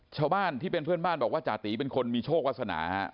ชาวบ้านที่เป็นเพื่อนบ้านบอกว่าจาติเป็นคนมีโชควาสนาฮะ